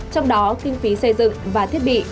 trong đó kinh phí xây dựng và thiết bị